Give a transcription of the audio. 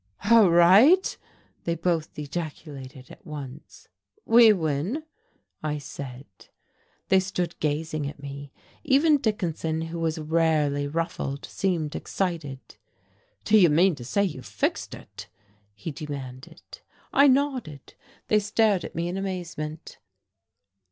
"All right!" they both ejaculated at once. "We win," I said. They stood gazing at me. Even Dickinson, who was rarely ruffled, seemed excited. "Do you mean to say you've fixed it?" he demanded. I nodded. They stared at me in amazement.